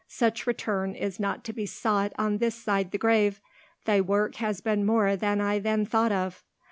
Such return is not to be sought on this side the grave. Thy work has been more than I then thought of."